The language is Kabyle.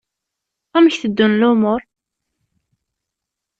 Amek teddun lmuṛ?